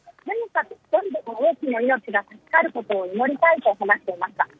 １つでも多くの命が助かることを祈りたいと話していました。